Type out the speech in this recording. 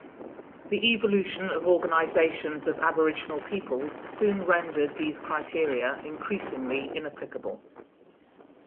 The evolution of organizations of aboriginal peoples soon rendered these criteria increasingly inapplicable.